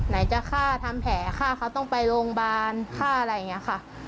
ไหนจะฆ่าทำแผลฆ่าเขาต้องไปโรงพยาบาลฆ่าอะไรอย่างนี้ค่ะ